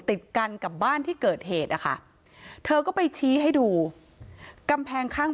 ติดกันกับบ้านที่เกิดเหตุนะคะเธอก็ไปชี้ให้ดูกำแพงข้าง